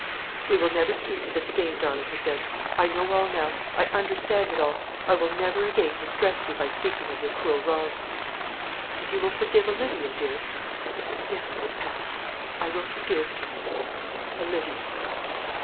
"We will never speak of this again, darling," he said. "I know all now; I understand it all. I will never again distress you by speaking of your cruel wrongs." "And you will forgive Olivia, dear?" "Yes, my pet, I will forgive Olivia."